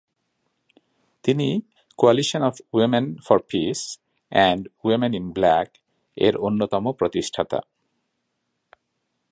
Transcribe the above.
তিনি coalition of women for peace and women in ব্ল্যাক-এর অন্যতম প্রতিষ্ঠাতা।